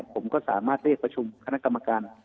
ผมก็สามารถเรียกประชุมคณะกรรมการ